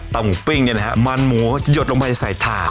เตาหมูปิ้งเนี้ยนะครับมันหมูจะหยดลงไปใส่ถ่าน